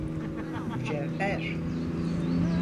Mücevher…